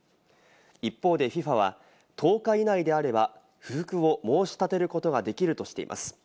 一方でＦＩＦＡは１０日以内であれば不服を申し立てることができるとしています。